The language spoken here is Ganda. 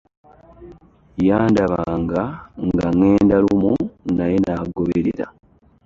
Yandabanga nga ŋŋenda lumu naye n'agoberera.